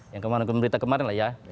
yang kemarin kembar kembar kemarin lah ya